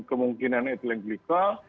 kemungkinan itu lebih kecil